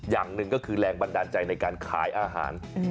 อย่างหนึ่งก็คือแรงบันดาลใจในการขายอาหาร